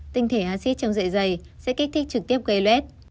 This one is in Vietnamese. tinh thể axit trong dạ dày sẽ kích thích trực tiếp gây lết